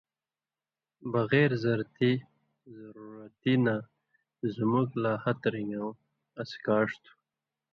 بغیر زرتی (ضرورتی) نہ زُمُک لا ہَتہۡ رِن٘گؤں اڅھکاݜ تھُو۔